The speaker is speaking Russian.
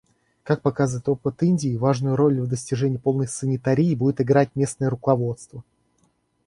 Как показывает опыт Индии, важнейшую роль в достижении полной санитарии будет играть местное руководство.